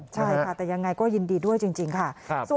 ใช่ค่ะแต่ยังไงก็ยินดีด้วยจริงค่ะ